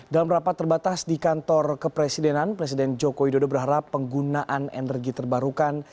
dalam rapat terbatas di kantor kepresidenan presiden joko widodo berharap penggunaan energi terbarukan